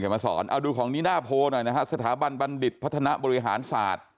มาสอนเอาดูของนิน่าโพลหน่อยนะฮะสถาบันบัณฑิตพัฒนาบริหารศาสตร์